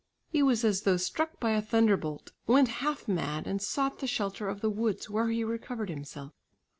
He was as though struck by a thunderbolt, went half mad and sought the shelter of the woods where he recovered himself.